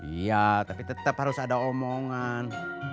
iya tapi tetap harus ada omongan